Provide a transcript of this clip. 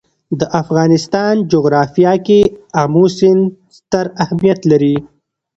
د افغانستان جغرافیه کې آمو سیند ستر اهمیت لري.